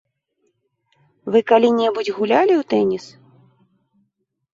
Вы калі-небудзь гулялі ў тэніс?